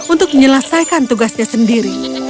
untuk menyelesaikan tugasnya sendiri